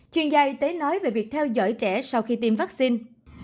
chuyên gia y tế nói về việc theo dõi trẻ sau khi tiêm vaccine